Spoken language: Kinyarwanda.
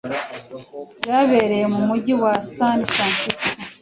byabereye mu mujyi wa San Francisco